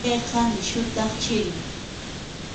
Chayqa nisyutaq chiri.